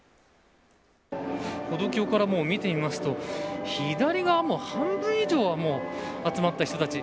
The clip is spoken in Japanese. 歩道橋からも見てみますと左側はもう半分以上は集まった人たち。